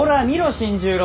新十郎。